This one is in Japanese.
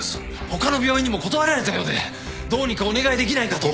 他の病院にも断られたようでどうにかお願いできないかと。